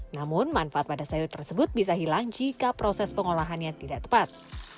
namun manfaat pada sayur tersebut bisa hilang jika proses pengolahannya tidak tepat